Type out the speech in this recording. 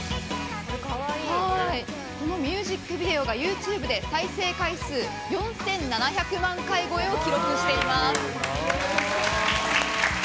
このミュージックビデオがＹｏｕＴｕｂｅで再生回数４７００万回超えを記録しています。